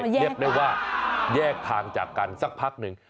เรียกได้ว่าแยกทางจากกันสักพักหนึ่ง